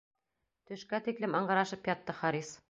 Төшкә тиклем ыңғырашып ятты Харис.